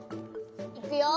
いくよ。